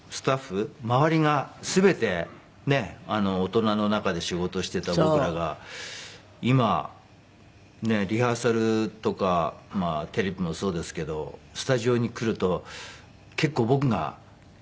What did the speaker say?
周りが全て大人の中で仕事してた僕らが今リハーサルとかテレビもそうですけどスタジオに来ると結構僕が。